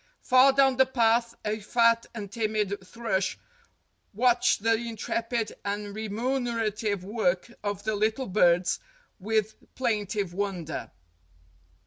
Far down the path a fat and timid thrush watched the intrepid and remunerative work of the little birds with plain tive wonder.